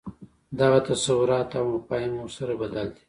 دغه تصورات او مفاهیم هم ورسره بدل دي.